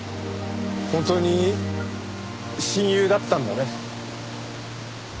本当に親友だったんだね。